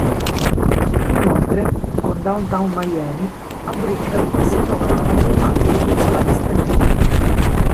Inoltre, con Downtown Miami, a Brickell si trovano la maggior parte dei consolati stranieri.